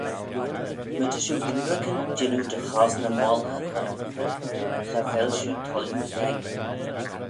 My ta shiu ynrican jannoo dy chosney moylley ghooiney cha vel shiu thoilliu veg.